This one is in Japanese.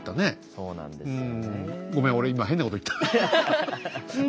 そうなんですよね。